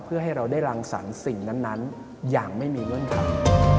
เพื่อให้เราได้รังสรรค์สิ่งนั้นอย่างไม่มีเงื่อนไข